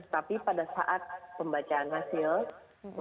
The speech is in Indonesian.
tapi pada saat pembacaan hasil rumah sakit itu sudah berakhir